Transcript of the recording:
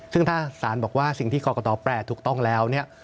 ซึ่งถ้าสารบอกว่าสิ่งที่กรกตแปลถูกต้องแล้วเนี่ย